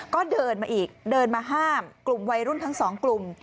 ก็เดินมาอีกเดินมาห้ามกลุ่มวัยรุ่นทั้งสองกลุ่ม